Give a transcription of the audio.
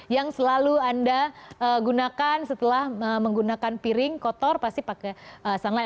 yang selalu anda gunakan setelah menggunakan piring kotor pasti pakai sunline